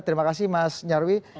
terima kasih mas nyarwi